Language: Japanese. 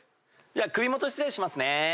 じゃあ首元失礼しますね。